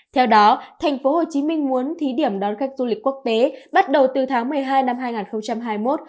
theo đó thành phố hồ chí minh muốn thí điểm đón khách du lịch quốc tế bắt đầu từ tháng một mươi hai năm hai nghìn hai mươi một